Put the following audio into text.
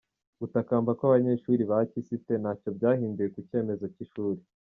Gutakamba kw’abanyeshuri ba kisite ntacyo byahinduye ku cyemezo cy’ishuri